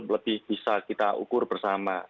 lebih bisa kita ukur bersama